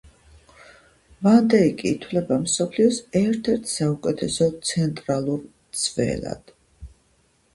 ვან დეიკი ითვლება მსოფლიოს ერთ-ერთ საუკეთესო ცენტრალურ მცველად.